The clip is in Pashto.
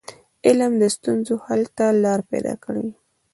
علم د ستونزو حل ته لار پيداکوي.